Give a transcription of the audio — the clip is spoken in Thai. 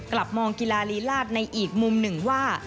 กลับมองกีฬาลีลาดในอีกมุมหนึ่งว่า